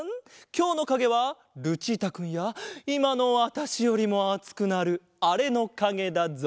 きょうのかげはルチータくんやいまのわたしよりもあつくなるあれのかげだぞ。